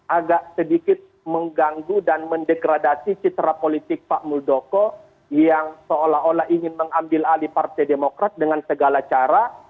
agak sedikit mengganggu dan mendegradasi citra politik pak muldoko yang seolah olah ingin mengambil alih partai demokrat dengan segala cara